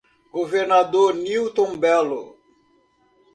Governador Newton Bello